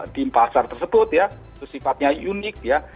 di pasar tersebut ya itu sifatnya unik ya